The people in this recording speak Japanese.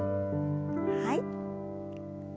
はい。